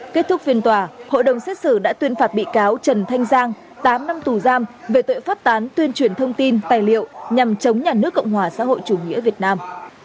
kết thúc phiên tòa hội đồng xét xử đã tuyên phạt bị cáo trần thanh giang tám năm tù giam về tội phát tán tuyên truyền thông tin tài liệu nhằm chống nhà nước cộng hòa xã hội chủ nghĩa việt nam